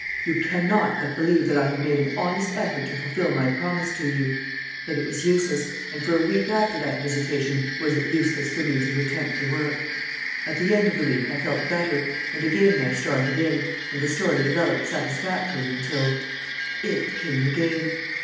You cannot but believe that I have made an honest effort to fulfil my promise to you. But it was useless, and for a week after that visitation was it useless for me to attempt the work. At the end of the week I felt better, and again I started in, and the story developed satisfactorily until it came again.